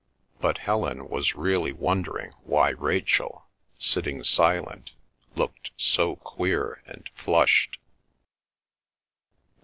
But Helen was really wondering why Rachel, sitting silent, looked so queer and flushed.